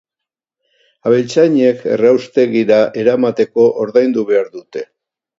Abeltzainek erraustegira eramateko ordaindu behar dute.